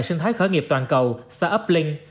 sinh thái khởi nghiệp toàn cầu sa uplink